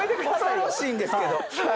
恐ろしいんですけど。